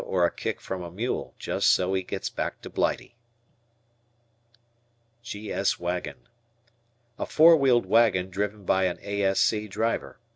or a kick from a mule, just so he gets back to Blighty. G.S. Wagon. A four wheeled wagon driven by an A.S.C. driver.